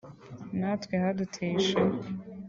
natwe haduteye ishema